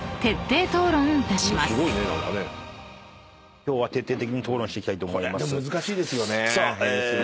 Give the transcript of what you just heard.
今日は徹底的に討論していきたいと思います。